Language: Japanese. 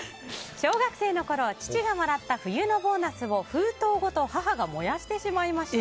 小学生のころ、父がもらった冬のボーナスを封筒ごと母が燃やしてしまいました。